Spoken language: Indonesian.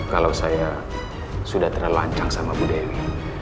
kalau saya sudah terlalu ancang sama bu dewi